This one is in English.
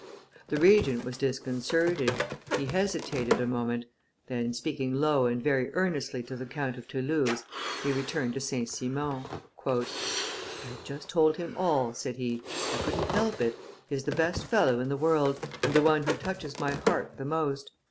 The Regent was disconcerted; he hesitated a moment, then, speaking low and very earnestly to the Count of Toulouse, he returned to St. Simon. "I have just told him all," said he, "I couldn't help it; he is the best fellow in the world, and the one who touches my heart the most.